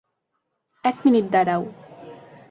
এক মিনিট দাড়াও।